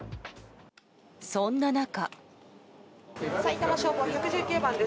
そんな中。